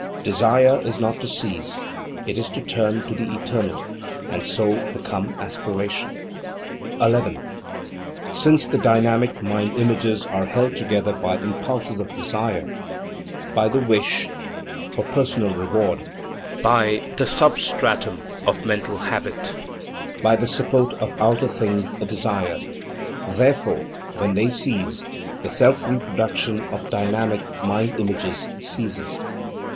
Desire is not to cease; it is to turn to the Eternal, and so become aspiration. 11. Since the dynamic mind images are held together by impulses of desire, by the wish for personal reward, by the substratum of mental habit, by the support of outer things desired; therefore, when these cease, the self reproduction of dynamic mind images ceases.